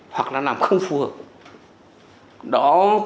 hoặc là làm không phù hợp